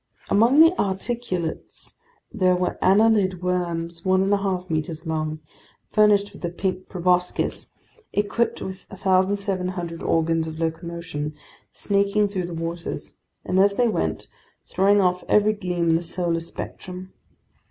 Among the articulates there were annelid worms one and a half meters long, furnished with a pink proboscis, equipped with 1,700 organs of locomotion, snaking through the waters, and as they went, throwing off every gleam in the solar spectrum.